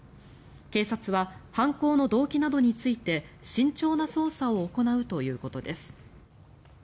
警察は犯行の動機などについて慎重な捜査を行うということです。